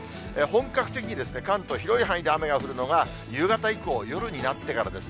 本格的に関東広い範囲で雨が降るのは、夕方以降、夜になってからです。